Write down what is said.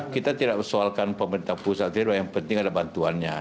kita tidak soalkan pemerintah pusat hidup yang penting adalah bantuannya